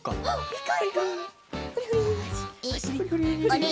あれ？